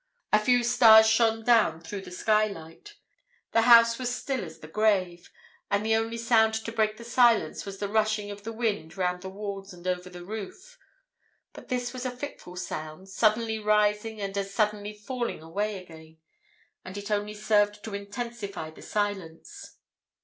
A few stars shone down through the sky light. The house was still as the grave, and the only sound to break the silence was the rushing of the wind round the walls and over the roof. But this was a fitful sound, suddenly rising and as suddenly falling away again, and it only served to intensify the silence.